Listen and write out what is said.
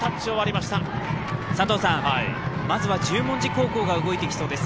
まずは十文字高校が動いてきそうです。